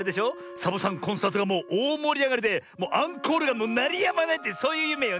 サボさんコンサートがもうおおもりあがりでもうアンコールがなりやまないってそういうゆめよね？